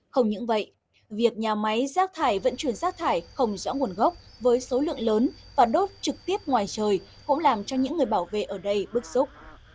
không những vậy việc nhà máy rác thải vận chuyển rác thải không rõ nguồn gốc với số lượng lớn và đốt trực tiếp ngoài trời cũng làm cho những người bảo vệ ở đây bức xúc